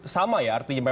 sama ya artinya